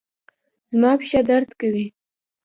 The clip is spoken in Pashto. زما پښه درد کوي